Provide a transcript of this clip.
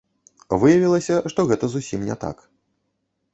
Выявілася, што гэта зусім не так.